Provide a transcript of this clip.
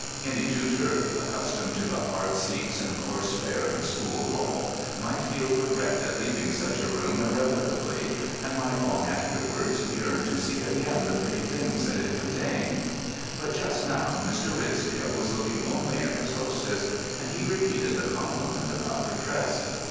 Any tutor, accustomed to the hard seats and coarse fare of a school hall, might feel regret at leaving such a room irrevocably, and might long afterwards yearn to see again the pretty things that it contained. But just now Mr. Ridsdale was looking only at his hostess, and he repeated the compliment about her dress.